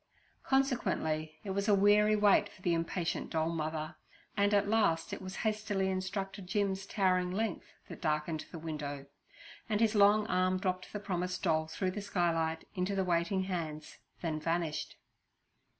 Consequently it was a weary wait for the impatient doll mother, and at last it was hastily instructed Jim's towering length that darkened the window; and his long arm dropped the promised doll through the skylight into the waiting hands, then vanished.